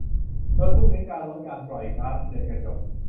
โดยมุ่งเน้นการลดการปล่อยก๊าซเรือนกระจก